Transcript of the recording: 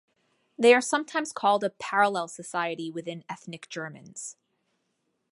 They are sometimes called a parallel society within ethnic Germans.